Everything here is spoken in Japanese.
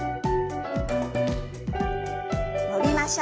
伸びましょう。